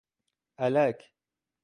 الک